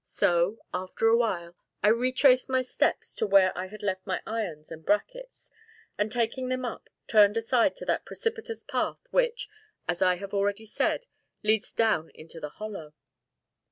So, after a while, I retraced my steps to where I had left my irons and brackets, and taking them up, turned aside to that precipitous path which, as I have already said, leads down into the Hollow.